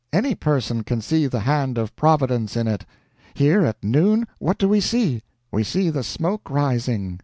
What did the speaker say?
Any person can see the hand of Providence in it. Here at noon what do we see? We see the smoke rising.